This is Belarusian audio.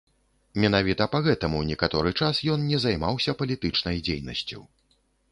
Менавіта па гэтаму некаторы час ён не займаўся палітычнай дзейнасцю.